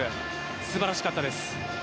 素晴らしかったです。